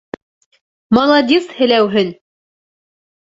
Маладис, һеләүһен!